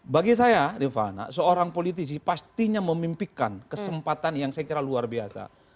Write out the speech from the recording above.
bagi saya rifana seorang politisi pastinya memimpikan kesempatan yang saya kira luar biasa